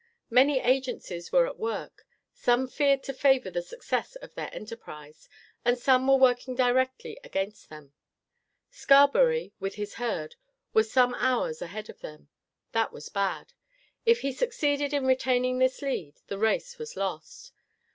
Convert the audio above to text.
Many agencies were at work. Some appeared to favor the success of their enterprise, and some were working directly against them. Scarberry, with his herd, was some hours ahead of them. That was bad. If he succeeded in retaining this lead, the race was lost.